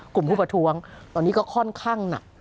ผู้ประท้วงตอนนี้ก็ค่อนข้างหนัก